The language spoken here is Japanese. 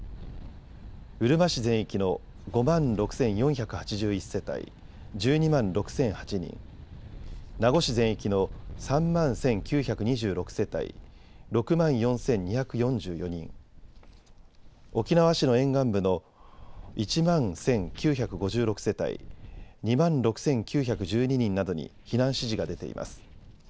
うるま市全域の５万６４８１世帯、１２万６００８人、名護市全域の３万１９２６世帯６万４２４４人、沖縄市の沿岸部の１万１９５６世帯、２万６９１２人などに避難指示が出ています。